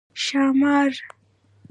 🐉ښامار